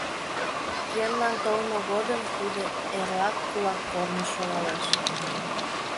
Йӧнлан толмо годым тудо эрлак кулак корныш шогалеш.